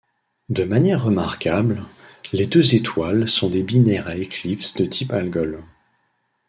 De manière remarquable, les deux étoiles sont des binaires à éclipses de type Algol.